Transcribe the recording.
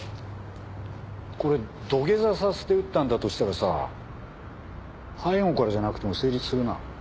これ土下座させて撃ったんだとしたらさ背後からじゃなくても成立するな。